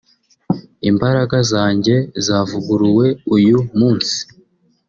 Imbaraga zanjye zavuguruwe uyu munsi